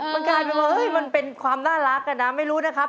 มันกลายเป็นว่ามันเป็นความน่ารักอะนะไม่รู้นะครับ